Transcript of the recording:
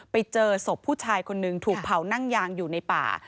ไปเจอศพผู้ชายคนนึงถูกเผานั่งยางอยู่ในป่า